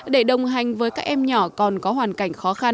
để đồng hành với các em nhỏ còn có hoàn cảnh khó khăn